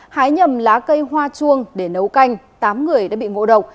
hái nhầm lá cây hoa chuông để nấu canh tám người đã bị ngộ độc